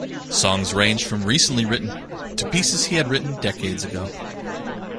Songs ranged from recently written to pieces he had written decades ago.